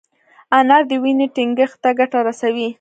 انار د وینې ټينګښت ته ګټه رسوي.